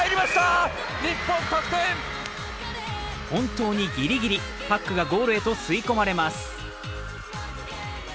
本当にギリギリ、パックがゴールへと吸い込まれます。